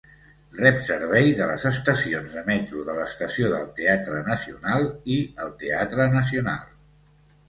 Rep servei de les estacions de metro de l'Estació del Teatre Nacional i el Teatre Nacional.